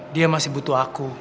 dia masih butuh aku